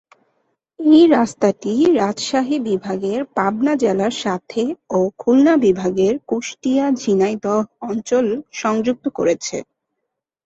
এই রাস্তাটি রাজশাহী বিভাগের পাবনা জেলার সাথে ও খুলনা বিভাগের কুষ্টিয়া-ঝিনাইদহ অঞ্চল সংযুক্ত করেছে।